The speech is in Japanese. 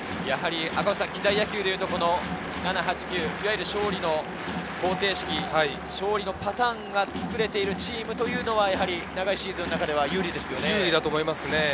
やはり近代野球でいうと、７・８・９、勝利の方程式、勝利のパターンがつくれているチームというのが長いシーズンの中では有利ですね。